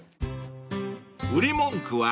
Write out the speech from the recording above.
［売り文句は］